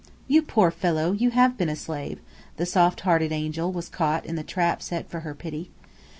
"You poor fellow, you have been a slave!" The soft hearted angel was caught in the trap set for her pity.